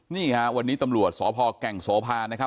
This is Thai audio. นี่ฮะวันนี้ตำรวจสพแก่งโสภานะครับ